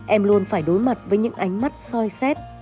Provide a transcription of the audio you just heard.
em luôn phải đối mặt với những ánh mắt soi xét